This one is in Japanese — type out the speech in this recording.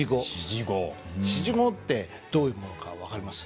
指示語ってどういうものか分かります？